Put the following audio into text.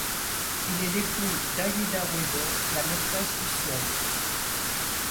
Il est l'époux d'Ayida Wedo, la maîtresse du ciel.